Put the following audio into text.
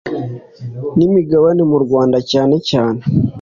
n Imigabane mu Rwanda cyane cyane